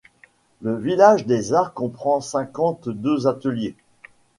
Le village des arts comprend cinquante-deux ateliers.